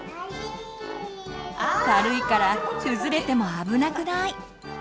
軽いから崩れても危なくない。